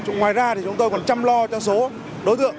ngoài ra thì chúng tôi còn chăm lo cho số đối tượng